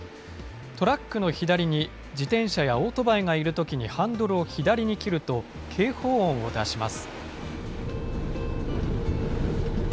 トラックの左に自転車やオートバイがいるときにハンドルを左に切ると、警報音を出します。